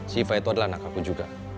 siva itu adalah anak aku juga